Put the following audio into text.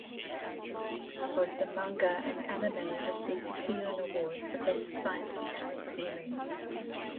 Both the manga and anime received the Seiun Award for best science fiction series.